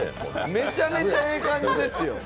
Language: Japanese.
めちゃめちゃええ感じですよ。